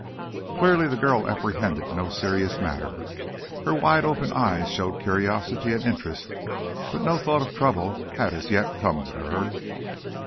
Clearly the girl apprehended no serious matter. Her wide open eyes showed curiosity and interest, but no thought of trouble had as yet come to her.